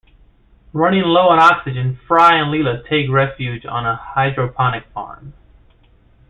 Running low on oxygen, Fry and Leela take refuge on a hydroponic farm.